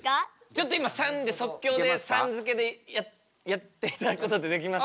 ちょっと今「さん」で即興でさん付けでやっていただくことってできます？